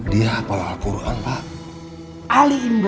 dia itu pak ustadz